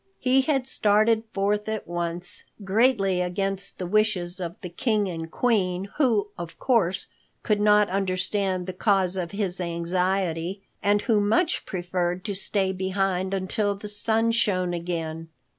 He had started forth at once, greatly against the wishes of the King and Queen who, of course, could not understand the cause of his anxiety, and who much preferred to stay behind until the sun shone again.